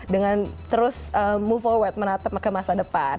dengan terus move forward menatap ke masa depan